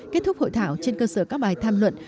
kết thúc hội thảo trên cơ sở các bài tham luận